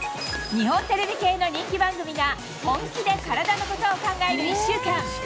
日本テレビ系の人気番組が、本気で体のことを考える１週間。